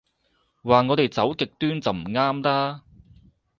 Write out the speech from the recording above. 話我哋走極端就唔啱啦